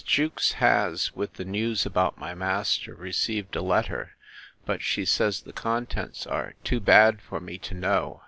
Jewkes has, with the news about my master, received a letter: but she says the contents are too bad for me to know.